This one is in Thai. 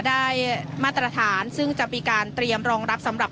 ได้มาตรฐานซึ่งจะมีการเตรียมรองรับสำหรับ